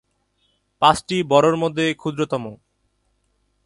পাঁচটি বরোর মধ্যে ক্ষুদ্রতম।